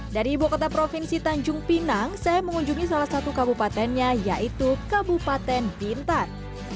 dari ibu kota provinsi tanjung pinang saya mengunjungi salah satu kabupatennya yaitu kabupaten bintan